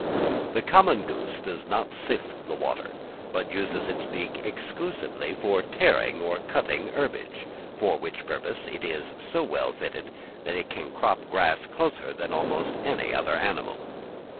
The common goose does not sift the water, but uses its beak exclusively for tearing or cutting herbage, for which purpose it is so well fitted that it can crop grass closer than almost any other animal.